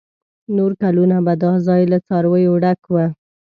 نور کلونه به دا ځای له څارویو ډک و.